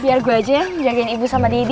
biar gue aja yang jagain ibu sama didi